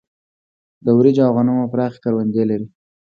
د وريجو او غنمو پراخې کروندې لري.